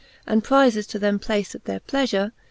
And prifes to them placed at their pleafure.